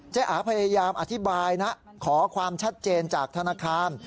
อาพยายามอธิบายนะขอความชัดเจนจากธนาคาร